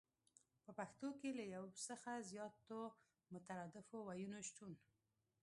په پښتو کې له يو څخه زياتو مترادفو ويونو شتون